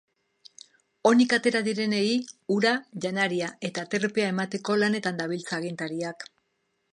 Onik atera direnei ura, janaria eta aterpea emateko lanetan dabiltza agintariak.